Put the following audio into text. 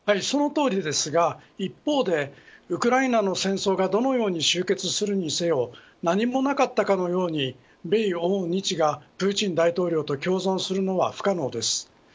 その通りですが一方でウクライナの戦争がどのように集結するにせよ何もなかったかのように米欧日がプーチン大統領と共存するのは不可能です。